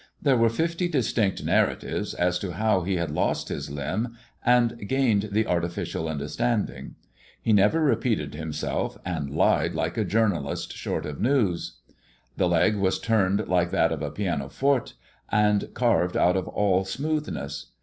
*' There were fifty distinct narratives as to how he had lost bis limb and gained the artificial understanding. He never repeated himself, and lied like a journalist short of news. The leg was turned like that of a pianoforte, and carved out of all smoothness.